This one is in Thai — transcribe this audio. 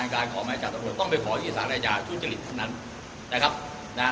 การขอหมายจับตรวจต้องไปขอที่ศาลยาชุดเจริตทั้งนั้น